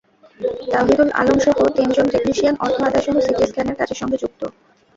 তাওহিদুল আলমসহ তিনজন টেকনিশিয়ান অর্থ আদায়সহ সিটি স্ক্যানের কাজের সঙ্গে যুক্ত।